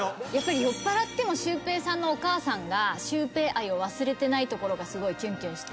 酔っぱらってもシュウペイさんのお母さんがシュウペイ愛を忘れてないところがすごいキュンキュンして。